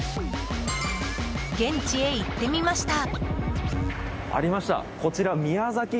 現地へ行ってみました。